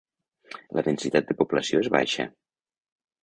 La densitat de població és baixa.